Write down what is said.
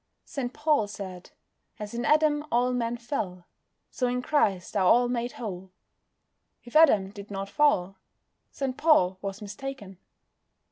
St. Paul said, "As in Adam all men fell, so in Christ are all made whole." If Adam did not fall St. Paul was mistaken.